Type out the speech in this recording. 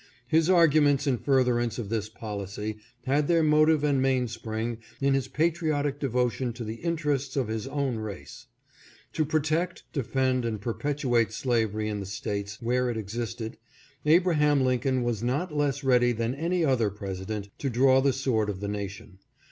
His arguments in furtherance of this policy had their motive and mainspring in his patriotic devotion to the interests of his own race. To protect, defend, and perpetuate slavery in the States where it existed Abraham Lincoln was not less ready than any other President to draw the sword of the nation.